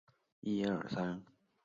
朱温把女儿嫁给了王昭祚。